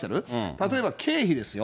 例えば経費ですよ。